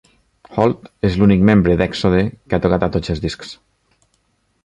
Holt és l'únic membre d"Èxode que ha tocat a tots els discs.